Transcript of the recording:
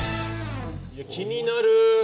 気になる！